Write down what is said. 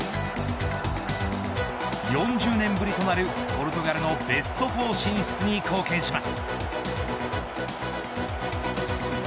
４０年ぶりとなるポルトガルのベスト４進出に貢献します。